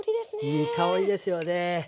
いい香りですよね。